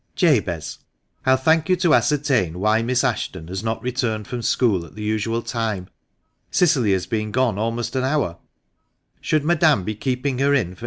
"Jabez, I'll thank you to ascertain why Miss Ashton has not returned from school at the usual time. Cicily has been gone almost an hour. Should Madame be keeping her in for 226 THE MANCHESTER MAN.